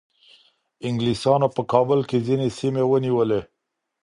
انگلیسانو په کابل کې ځینې سیمې ونیولې